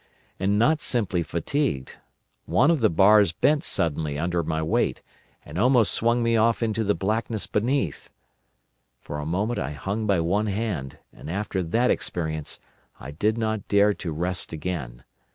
And not simply fatigued! One of the bars bent suddenly under my weight, and almost swung me off into the blackness beneath. For a moment I hung by one hand, and after that experience I did not dare to rest again.